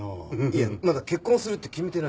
いやまだ結婚するって決めてないし。